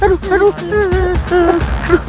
aduh aduh aduh aduh